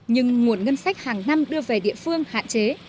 nhưng nguồn ngân sách hàng năm đưa về địa phương hạn chế